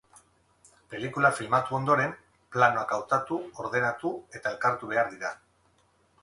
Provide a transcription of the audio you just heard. Pelikula filmatu ondoren planoak hautatu, ordenatu eta elkartu behar dira.